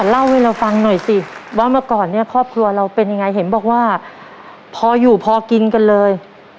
เล่าให้เราฟังหน่อยสิว่าเมื่อก่อนเนี่ยครอบครัวเราเป็นยังไงเห็นบอกว่าพออยู่พอกินกันเลย